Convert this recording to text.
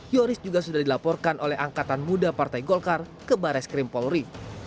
yoris juga sudah dilaporkan oleh angkatan muda partai golkar ke barai skrimpolri